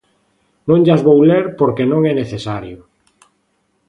Non llas vou ler porque non é necesario.